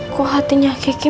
kau meinung ya ibu